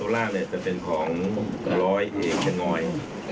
๙๙๙ตัวล่างจะเป็นของ๑๐๐เอกชะนอย